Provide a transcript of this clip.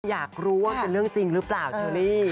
อยากรู้ว่ามันเป็นเรื่องจริงหรือเปล่าเชอรี่